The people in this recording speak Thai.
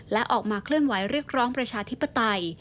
และออกมาเคลื่อนไหวเรียกร้องประชาธิปไตย